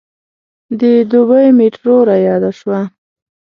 د دوبۍ میټرو رایاده شوه.